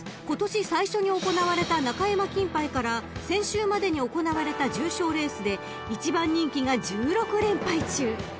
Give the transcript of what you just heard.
今年最初に行われた中山金杯から先週までに行われた重賞レースで１番人気が１６連敗中］